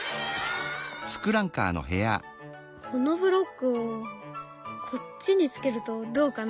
このブロックをこっちにつけるとどうかな？